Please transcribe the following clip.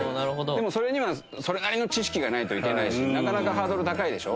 でもそれにはそれなりの知識がないといけないしなかなかハードル高いでしょ？